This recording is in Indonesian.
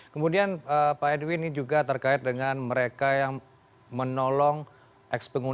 kemudian pak edwin ini juga terkait dengan mereka yang menolong